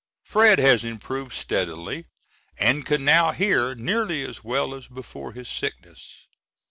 Fred, has improved steadily, and can now hear nearly as well as before his sickness.